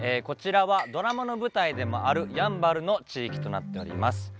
こちらはドラマの舞台でもあるやんばるの地域となっております。